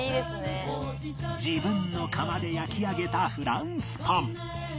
自分の窯で焼き上げたフランスパン